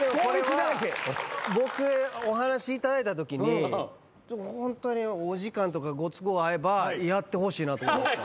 これは僕お話いただいたときにホントにお時間とかご都合合えばやってほしいなと思いました。